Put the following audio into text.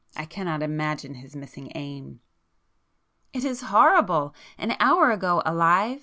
I cannot imagine his missing aim." "It is horrible! An hour ago alive